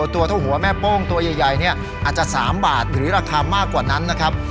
ตัวเท่าหัวแม่โป้งตัวใหญ่เนี่ยอาจจะ๓บาทหรือราคามากกว่านั้นนะครับ